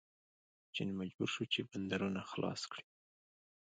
چین مجبور شو چې بندرونه خلاص کړي.